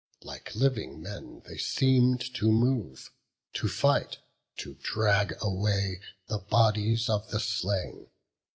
Like living men they seem'd to move, to fight, To drag away the bodies of the slain.